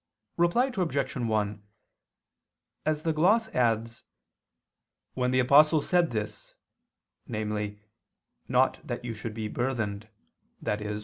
Reply Obj. 1: As the gloss adds, "when the Apostle said this (namely 'not that you should be burthened,' i.e.